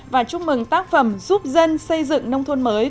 và chúc mừng tác phẩm giúp dân xây dựng nông thôn mới